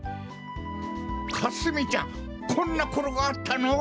かすみちゃんこんなころがあったの？